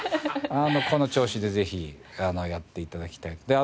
この調子でぜひやって頂きたいと。